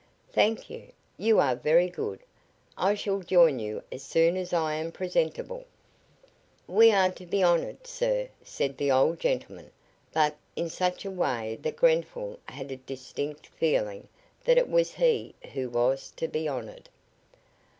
"Thank you. You are very good. I shall join you as soon as I am presentable." "We are to be honored, sir," said the old gentleman, but in such a way that Grenfall had a distinct feeling that it was he who was to be honored.